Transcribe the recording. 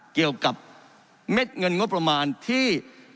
เกี่ยวกับเม็ดเงินงบประมาณที่